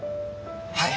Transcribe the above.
はい。